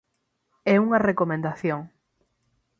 É unha recomendación.